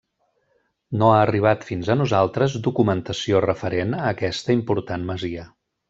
No ha arribat fins a nosaltres documentació referent a aquesta important masia.